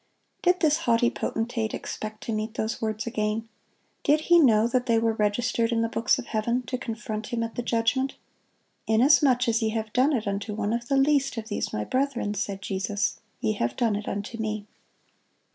(108) Did this haughty potentate expect to meet those words again? Did he know that they were registered in the books of heaven, to confront him at the judgment? "Inasmuch as ye have done it unto one of the least of these My brethren," said Jesus, "ye have done it unto Me."